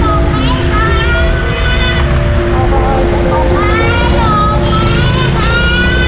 ขนมไหมครับ